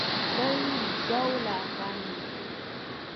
بل ډول خوند دی.